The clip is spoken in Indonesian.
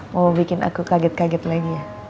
mau bikin aku kaget kaget lagi ya